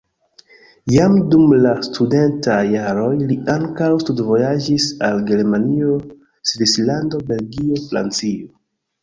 Jam dum la studentaj jaroj li ankaŭ studvojaĝis al Germanio, Svislando, Belgio, Francio.